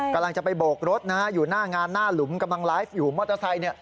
กำลังจะไปบวกรถอยู่หน้างานหน้าหลุมกำลังไลฟ์อยู่มอเตอร์ไซต์